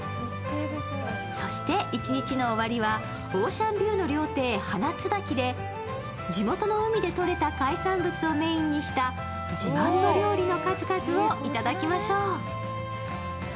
そして一日の終わりはオーシャンビューの料亭、花つばきで地元の海で取れた海産物をメーンにした自慢の料理の数々を頂きましょう。